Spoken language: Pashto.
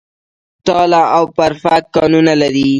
تاله او برفک کانونه لري؟